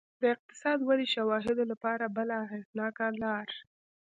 د اقتصادي ودې شواهدو لپاره بله اغېزناکه لار